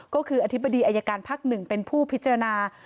ก็คืออธิบดีอายการภักดิ์๑เป็นผู้พิจารณา